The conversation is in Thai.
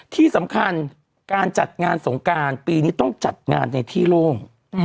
ที่สำคัญการจัดงานสงการปีนี้ต้องจัดงานในที่โล่ง